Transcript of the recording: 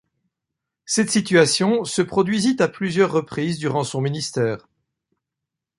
Cette situation se produisit à plusieurs reprises durant son ministère.